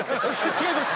違います。